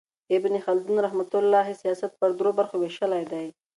ابن خلدون رحمة الله علیه سیاست پر درو برخو ویشلی دئ.